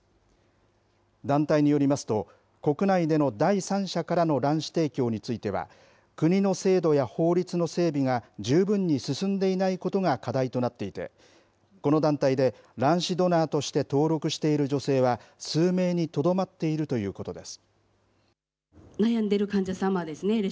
団体によりますと、国内での第三者からの卵子提供については、国の制度や法律の制度が十分に進んでいないことが課題となっていて、この団体で、卵子ドナーとして登録している女性は、数名にとどまっているということです。